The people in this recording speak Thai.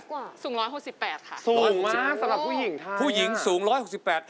สูงร้อยหกสิบแปดค่ะสูงมากสำหรับผู้หญิงค่ะผู้หญิงสูงร้อยหกสิบแปด